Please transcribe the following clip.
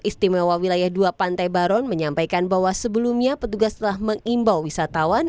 istimewa wilayah dua pantai baron menyampaikan bahwa sebelumnya petugas telah mengimbau wisatawan